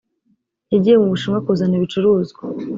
yagiye mu Bushinwa kuzana ibicuruzwa